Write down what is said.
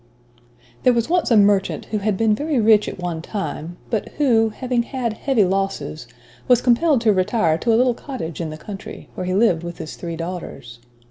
There was once a merchant who had been very rich at one time, but who, having had heavy losses, was compelled to retire to a little cottage in the country; where he lived with his three daughters.